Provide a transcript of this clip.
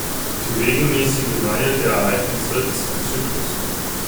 Die regelmäßige Reihe der Ereignisse ist ein Zyklus.